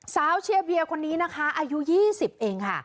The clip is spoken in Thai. สาวเชียร์เบียร์คนนี้อายุ๒๐เอง